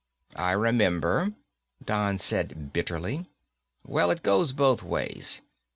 "I remember," Don said bitterly. "Well, it goes both ways.